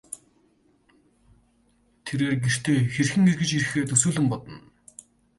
Тэрээр гэртээ хэрхэн эргэж харихаа төсөөлөн бодно.